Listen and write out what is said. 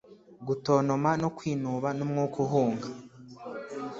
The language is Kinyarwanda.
gutontoma no kwinuba n'umwuka uhunga